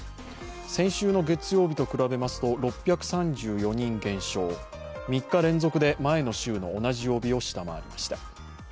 先週の月曜日と比べますと６３４人減少３日連続で前の週の同じ曜日を下回りました。